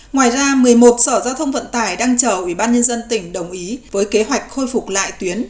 ngoài ra một mươi một sở giao thông vận tải đang chờ ủy ban nhân dân tỉnh đồng ý với kế hoạch khôi phục lại tuyến